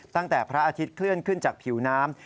พระอาทิตย์เคลื่อนขึ้นจากผิวน้ำ